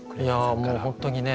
もう本当にね